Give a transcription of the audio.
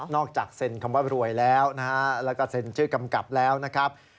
จากเซ็นคำว่ารวยแล้วนะฮะแล้วก็เซ็นชื่อกำกับแล้วนะครับ